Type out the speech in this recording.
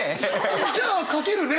じゃあ書けるね！